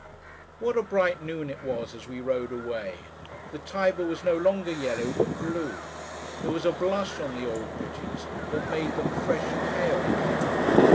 What a bright noon it was, as we rode away! The Tiber was no longer yellow, but blue. There was a blush on the old bridges, that made them fresh and hale again.